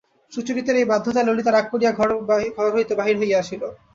সুচরিতার এই বাধ্যতায় ললিতা রাগ করিয়া ঘর হইতে বাহির হইয়া আসিল।